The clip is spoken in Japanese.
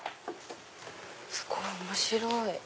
すごい面白い！